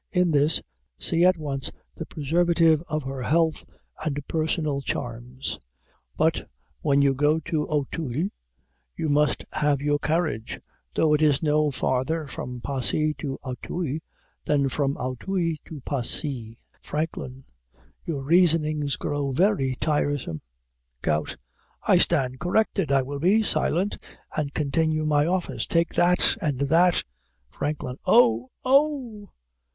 In this, see at once the preservative of her health and personal charms. But when you go to Auteuil, you must have your carriage, though it is no farther from Passy to Auteuil than from Auteuil to Passy. FRANKLIN. Your reasonings grow very tiresome. GOUT. I stand corrected. I will be silent and continue my office; take that, and that. FRANKLIN. Oh! Ohh!